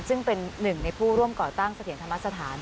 ซึ่งเป็นหนึ่งในผู้ร่วมก่อตั้งเสถียรธรรมสถาน